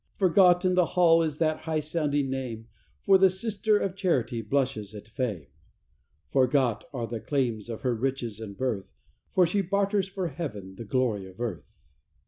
Forgot in the hall is that high sounding name, For the Sister of Charity blushes at fame; Forgot are the claims of her riches and birth, For she barters for heaven the glory of earth.